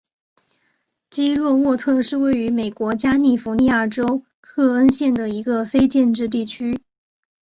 基洛沃特是位于美国加利福尼亚州克恩县的一个非建制地区。